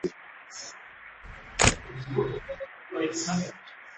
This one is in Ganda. Ebigambo ebizibu ebyazuulibwa nga birina amakulu amakusike.